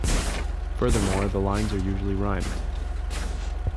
Furthermore, the lines are usually rhymed.